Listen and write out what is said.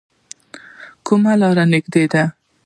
کومه لار نږدې ده؟